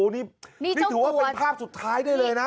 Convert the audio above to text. นี่ถือว่าเป็นภาพสุดท้ายได้เลยนะ